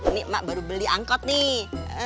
ini mak baru beli angkot nih